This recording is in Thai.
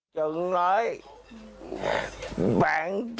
จึงเลยแบ่งจน๔๐๐